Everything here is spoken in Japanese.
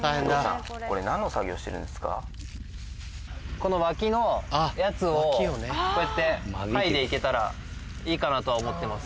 このわきのやつをこうやって剥いで行けたらいいかなとは思ってます。